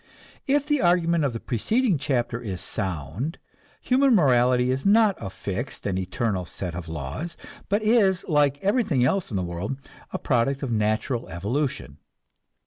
If the argument of the preceding chapter is sound, human morality is not a fixed and eternal set of laws, but is, like everything else in the world, a product of natural evolution.